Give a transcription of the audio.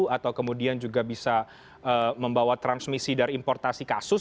atau kemudian juga bisa membawa transmisi dari importasi kasus